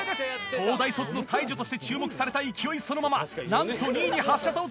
東大卒の才女として注目された勢いそのままなんと２位に８社差をつけ